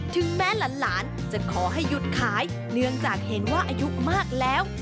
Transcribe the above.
ถึงแม้หลานจะขอให้หยุดขายเนื่องจากเห็นว่าอายุมากแล้ว